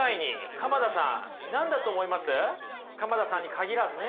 鎌田さんに限らずね。